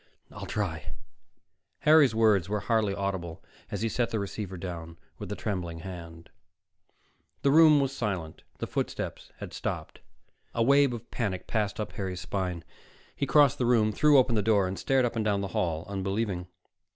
"I'll try." Harry's words were hardly audible as he set the receiver down with a trembling hand. The room was silent. The footsteps had stopped. A wave of panic passed up Harry's spine; he crossed the room, threw open the door, stared up and down the hall, unbelieving.